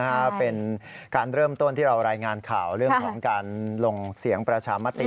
เป็นการเริ่มต้นที่เรารายงานข่าวเรื่องของการลงเสียงประชามติ